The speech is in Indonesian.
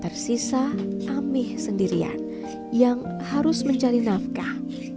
tersisa amih sendirian yang harus mencari nafkah